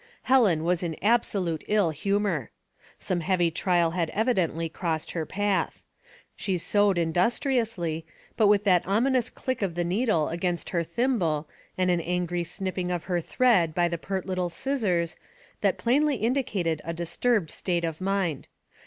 Hel en was in absolute ill humor. Some heavy trial had evidently crossed her path. She sewed industriously, but with that ominous click of the needle against her thimble, and an angry snip ping of her thread by the pert little scissors, that plainly indicated a disturbed state of mind.